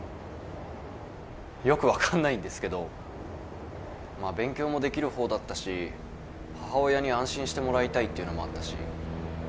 よく分かんないんですけどまあ勉強もできる方だったし母親に安心してもらいたいっていうのもあったし。